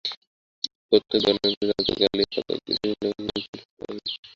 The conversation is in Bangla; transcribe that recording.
প্রত্যেক বর্ণেরই রাজত্বকালে কতকগুলি লোকহিতকর এবং অপর কতকগুলি অহিতকর কার্যের অনুষ্ঠান হয়।